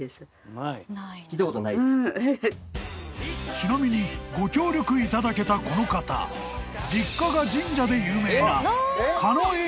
［ちなみにご協力いただけたこの方実家が神社で有名な］